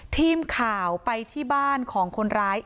ทีมข่าวไปที่บ้านของคนร้าย